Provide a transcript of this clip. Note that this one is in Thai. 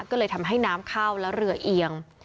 ก็เลยทำให้น้ำเข้าและเรือเอียง